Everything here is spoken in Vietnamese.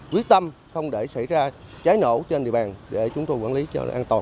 quyết tâm không để xảy ra trái nổ trên địa bàn để chúng tôi quản lý cho an toàn